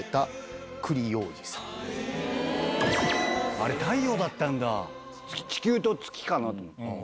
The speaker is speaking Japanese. あれ太陽だったんだ地球と月かなと思った。